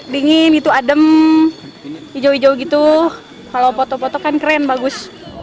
dingin itu adem hijau hijau gitu kalau foto foto kan keren bagus